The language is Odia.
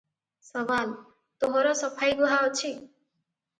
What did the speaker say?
ସୱାଲ -ତୋହର ସଫାଇ ଗୁହା ଅଛି?